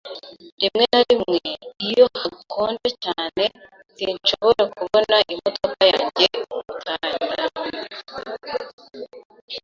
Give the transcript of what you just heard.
Rimwe na rimwe iyo hakonje cyane, sinshobora kubona imodoka yanjye gutangira.